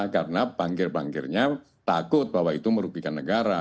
karena bankir bankirnya takut bahwa itu merupakan negara